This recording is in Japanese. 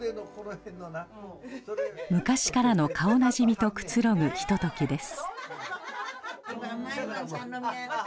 昔からの顔なじみとくつろぐひとときです。